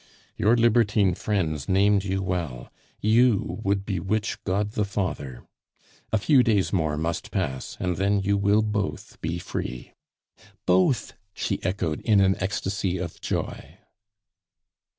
"Your libertine friends named you well; you would bewitch God the Father. A few days more must pass, and then you will both be free." "Both!" she echoed in an ecstasy of joy.